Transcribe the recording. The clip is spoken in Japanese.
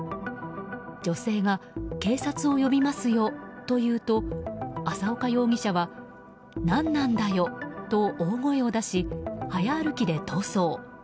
女性が、警察を呼びますよと言うと浅岡容疑者は何なんだよと大声を出し、早歩きで逃走。